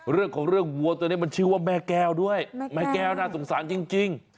เรื่องของเรื่องวัวตัวนี้มันชื่อว่าแม่แก้วด้วยแม่แก้วน่าสงสารจริง